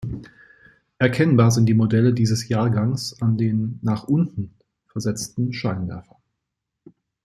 Erkennbar sind die Modelle dieses Jahrgangs an den nach unten versetzten Scheinwerfern.